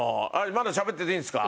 まだしゃべってていいんですか？